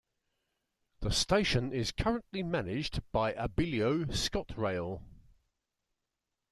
The station is currently managed by Abellio ScotRail.